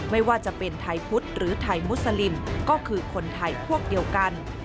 ไม่ว่าจะเป็นไทยพุทธหรือไทยมุสลิมก็คือคนไทยพวกเดียวกัน